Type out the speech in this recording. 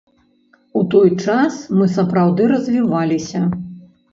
У той час мы сапраўды развіваліся.